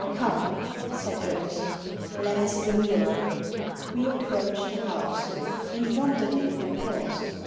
" Com^" said Ernest ;*' let us go nearer." We approached the house. In front of it we paused.